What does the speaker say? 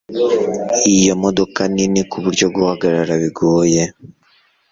Iyo modoka nini kuburyo guhagarara bigoye.